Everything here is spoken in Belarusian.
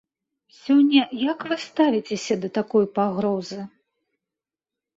Сёння як вы ставіцеся да такой пагрозы?